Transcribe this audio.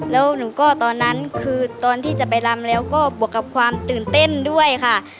แล้วหนูก็ตอนนั้นคือตอนที่จะไปรำแล้วก็บวกกับความตื่นเต้นด้วยค่ะ